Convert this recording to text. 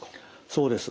そうです。